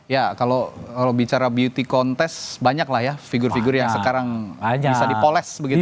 ya kalau bicara beauty contest banyak lah ya figur figur yang sekarang bisa dipoles begitu